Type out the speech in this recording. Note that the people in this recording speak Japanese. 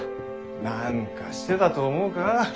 何かしてたと思うか？